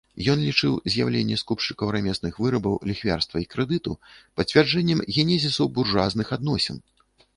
Ён лічыў з'яўленне скупшчыкаў рамесных вырабаў, ліхвярства і крэдыту пацвярджэннем генезісу буржуазных адносін.